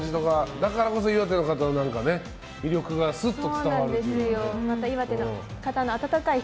だからこそ岩手の方の魅力がすっと伝わるという。